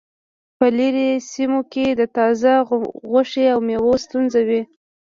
په لرې سیمو کې د تازه غوښې او میوو ستونزه وي